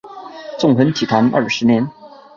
纵横体坛二十年。